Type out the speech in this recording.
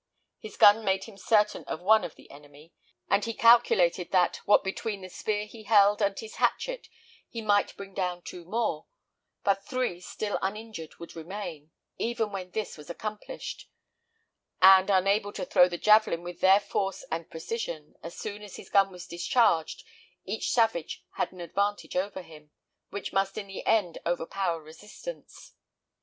His gun made him certain of one of the enemy; and he calculated that, what between the spear he held and his hatchet, he might bring down two more; but three still uninjured would remain, even when this was accomplished; and, unable to throw the javelin with their force and precision, as soon as his gun was discharged, each savage had an advantage over him, which must in the end overpower resistance.